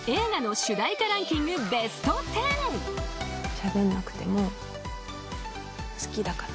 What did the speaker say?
「しゃべんなくても好きだから」